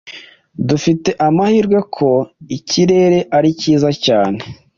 Dufite amahirwe ko ikirere ari cyiza cyane.